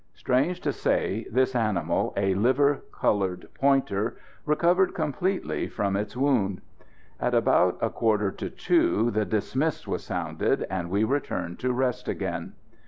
Strange to say, this animal, a liver coloured pointer, recovered completely from its wound. At about a quarter to two the "dismiss" was sounded, and we returned to rest again.